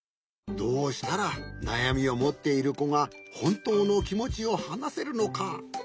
どうしたらなやみをもっているこがほんとうのきもちをはなせるのか。